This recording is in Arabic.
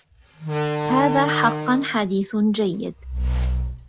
هذا حقا حديث جيد